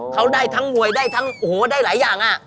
เขาได้ทั้งมวยได้ทั้งโอ้โหได้หลายอย่าง